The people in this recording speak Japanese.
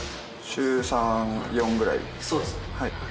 週３４ぐらいでそうですね